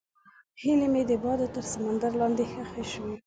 هیلې مې د بادونو تر سندرو لاندې ښخې شوې.